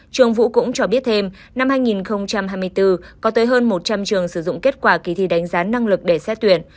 trường vũ cũng cho biết thêm năm hai nghìn hai mươi bốn có tới hơn một trăm linh trường sử dụng kết quả kỳ thi đánh giá năng lực để xét tuyển